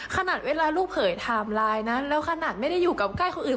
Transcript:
ขนาดเวลาลูกเผยไทม์ไลน์นะแล้วขนาดไม่ได้อยู่กับใกล้คนอื่น